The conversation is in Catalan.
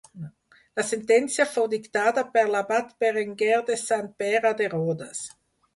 La sentència fou dictada per l'abat Berenguer de Sant Pere de Rodes.